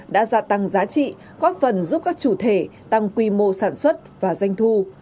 đã gia tăng giá trị góp phần giúp các chủ thể tăng quy mô sản xuất và doanh thu